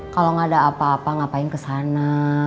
kalau gak ada apa apa ngapain ke sana